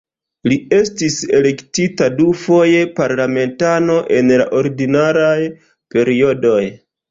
Li estis elektita dufoje parlamentano en la ordinaraj periodoj.